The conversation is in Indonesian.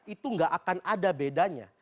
itu gak akan ada bedanya